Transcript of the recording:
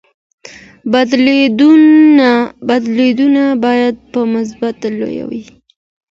بدلونونه باید په مثبت لوري وي.